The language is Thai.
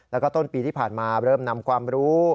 แล้วก็ต้นปีที่ผ่านมาเริ่มนำความรู้